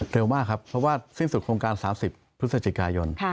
เร็วมากครับเพราะว่าสิ้นสุดโครงการ๓๐พฤศจิกายน